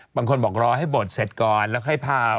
บางคนบอกรอให้บดเสร็จก่อนแล้วค่อยพา